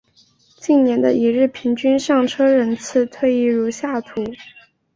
近年的一日平均上车人次推移如下表。